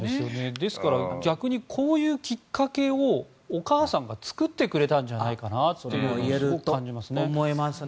ですから逆にこういうきっかけをお母さんが作ってくれたんじゃないかといえる感じもしますよね。